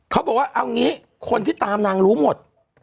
เขาบอกว่าเอางี้คนที่ตามนางรู้หมด